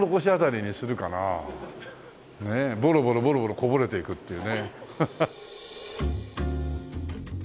ボロボロボロボロこぼれていくっていうね。